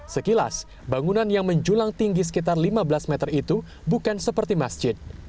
sekilas bangunan yang menjulang tinggi sekitar lima belas meter itu bukan seperti masjid